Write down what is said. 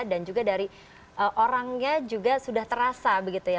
dan juga dari orangnya juga sudah terasa begitu ya